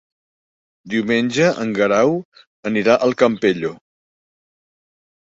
Diumenge en Guerau anirà al Campello.